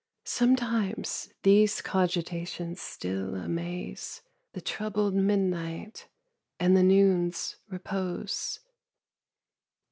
Sometimes these cogitations still amaze The troubled midnight and the noon's repose.